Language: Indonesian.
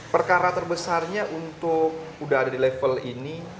perkara terbesarnya untuk udah ada di level ini